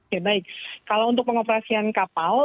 ya baik kalau untuk pengoperasian kapal